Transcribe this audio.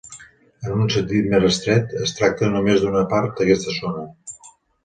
En un sentit més restret, es tracta només d'una part d'aquesta zona.